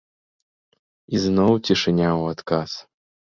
Ізноў цішыня ў адказ.